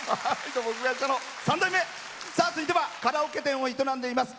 続いてはカラオケ店を営んでいます。